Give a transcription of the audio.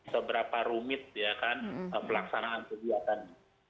seberapa rumit pelaksanaan kegiatan